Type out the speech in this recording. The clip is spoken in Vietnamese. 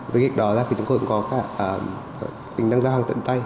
với cách đó ra thì chúng tôi cũng có cả tính đăng giao hàng tận tay